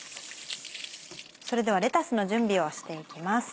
それではレタスの準備をしていきます。